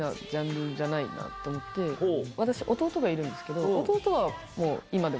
私弟がいるんですけど。